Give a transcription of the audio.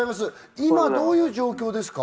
今どういう状況ですか？